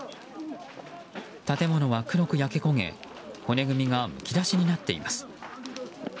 建物は黒く焼け焦げ骨組みがむき出しになっています。